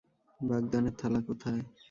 বাগদানের থালা কোথায়?